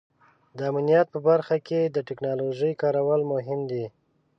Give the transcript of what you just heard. د امنیت په برخه کې د ټیکنالوژۍ کارول مهم دي.